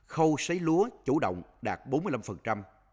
khâu xấy lúa chủ động đạt bốn mươi năm